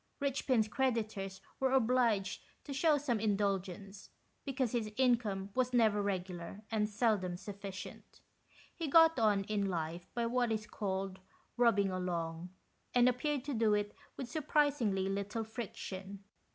Richpin's creditors were obliged to shew some indulgence, because his income was never regular and seldom suffi cient. He got on in life by what is called "rubbing along," and appeared to do it with surprisingly little friction.